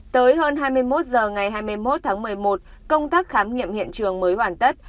tới hơn hai mươi một h ngày hai mươi một tháng một mươi một công tác khám nghiệm hiện trường mới hoàn tất